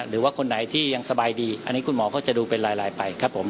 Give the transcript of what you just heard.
หรือว่าคนไหนที่ยังสบายดีอันนี้คุณหมอเขาจะดูเป็นลายไปครับผม